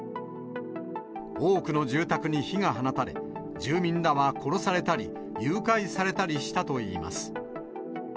多くの住宅に火が放たれ、住民らは殺されたり、誘拐されたりしたといいます。